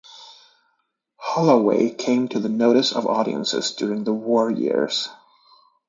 Holloway came to the notice of audiences during the war years.